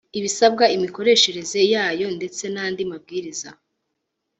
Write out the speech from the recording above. ibisabwa imikoreshereze yayo ndetse nandi mabwiriza